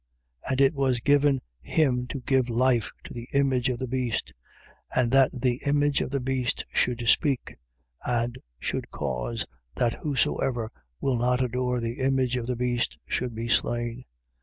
13:15. And it was given him to give life to the image of the beast: and that the image of the beast should speak: and should cause that whosoever will not adore the image of the beast should be slain.